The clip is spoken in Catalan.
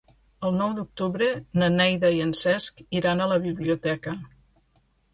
El nou d'octubre na Neida i en Cesc iran a la biblioteca.